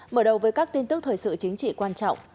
mở đầu với các tin tức thời sự chính trị quan trọng